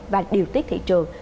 và điều tiết thị trường